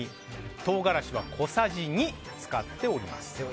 唐辛子は小さじ２使っております。